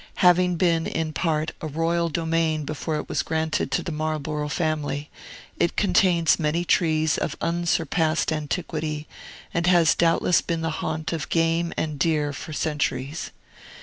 Having been, in part, a royal domain before it was granted to the Marlborough family, it contains many trees of unsurpassed antiquity, and has doubtless been the haunt of game and deer for centuries.